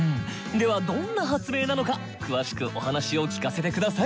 ではどんな発明なのか詳しくお話を聞かせて下さい。